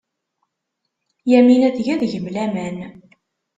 Yamina tga deg-m laman.